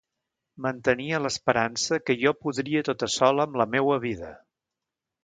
Mantenia l'esperança que jo podria tota sola amb la meua vida.